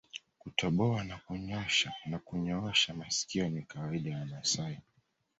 Kutoboa na kunyoosha masikio ni kawaida ya Wamasai